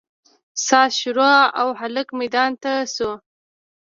ساز شروع او هلک ميدان ته سو.